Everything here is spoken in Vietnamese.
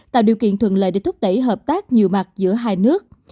tạo điều kiện thuận lợi để thúc đẩy hợp tác nhiều mặt giữa hai nước